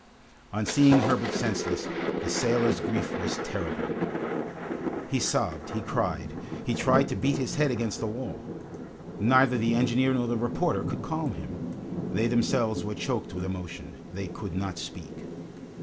On seeing Herbert senseless, the sailor's grief was terrible. He sobbed, he cried, he tried to beat his head against the wall. Neither the engineer nor the reporter could calm him. They themselves were choked with emotion. They could not speak.